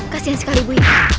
kasian sekali bu